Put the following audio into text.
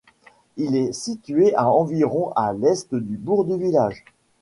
Il est situé à environ à l'est du bourg du village.